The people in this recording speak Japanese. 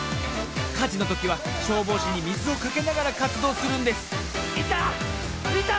かじのときは消防士にみずをかけながらかつどうするんですいた！